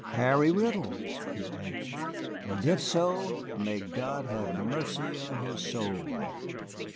"Harry Riddle," he answered; "and if so, may God have mercy on his soul!"